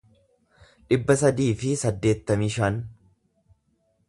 dhibba sadii fi saddeettamii shan